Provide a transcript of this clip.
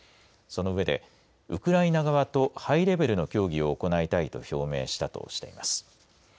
その上でウクライナ側とハイレベルの協議を行いたいと表明したとしています。